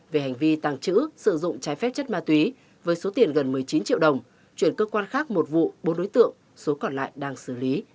về hành vi tàng trữ sử dụng trái phép chất ma túy với số tiền gần một mươi chín triệu đồng chuyển cơ quan khác một vụ bốn đối tượng số còn lại đang xử lý